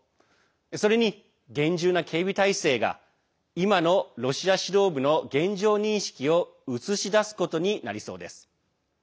それに厳重な警備態勢が今のロシア指導部の現状認識を映し出すことになりそうです。